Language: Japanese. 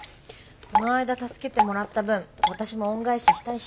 こないだ助けてもらった分私も恩返ししたいし。